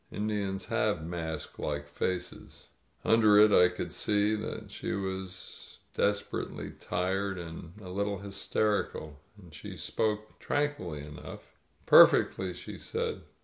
Indians have mask like faces. Under it I could see that she was. desperately tired and even a little hysterical. But she spoke tranquilly enough. "Perfectly," she said.